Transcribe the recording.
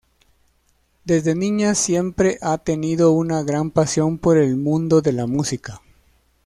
Desde niña siempre ha tenido una gran pasión por el mundo de la música.